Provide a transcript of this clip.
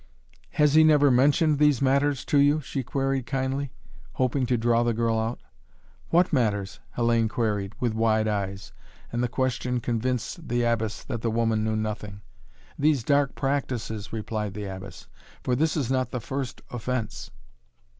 "Has he never mentioned these matters to you?" She queried kindly, hoping to draw the girl out. "What matters?" Hellayne queried, with wide eyes, and the question convinced the Abbess that the woman knew nothing. "These dark practices," replied the Abbess. "For this is not the first offence.